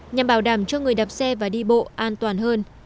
nhằm bảo đảm cho người đạp xe và đi bộ an toàn hơn